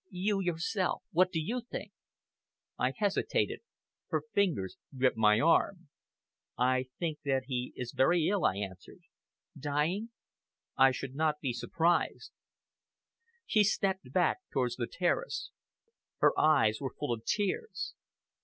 "You yourself what do you think?" I hesitated. Her fingers gripped my arm. "I think that he is very ill," I answered. "Dying?" "I should not be surprised." She looked back towards the terrace. Her eyes were full of tears.